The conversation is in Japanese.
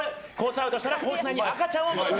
アウトしたらコース内に赤ちゃんを戻す。